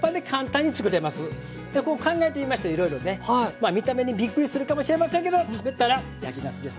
まあ見た目にびっくりするかもしれませんけど食べたら焼きなすです。